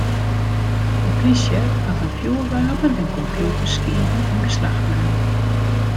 De plysje hat in fjoerwapen en kompjûterskiven yn beslach naam.